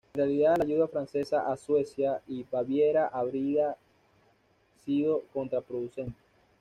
En realidad, la ayuda francesa a Suecia y Baviera habría sido contraproducente.